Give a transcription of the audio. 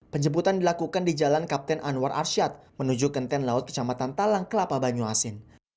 penjemputan dilakukan di jalan kapten anwar arsyad menuju kenten laut kecamatan talang kelapa banyuasin